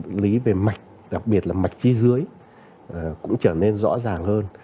các bệnh lý về mạch đặc biệt là mạch chi dưới cũng trở nên rõ ràng hơn